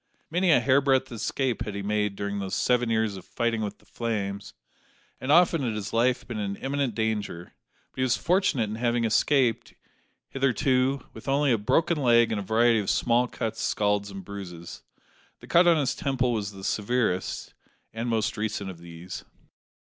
Many a hairbreadth escape had he made during these seven years of fighting with the flames, and often had his life been in imminent danger; but he was fortunate in having escaped, hitherto, with only a broken leg and a variety of small cuts, scalds, and bruises. The cut on his temple was the severest, and most recent of these.